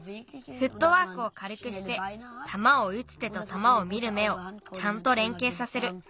フットワークをかるくしてたまをうつ手とたまを見る目をちゃんとれんけいさせる。